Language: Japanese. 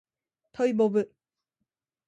トイボブ